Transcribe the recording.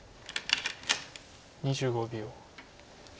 ２５秒。